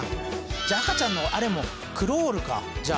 じゃあ赤ちゃんのあれもクロールかじゃあ。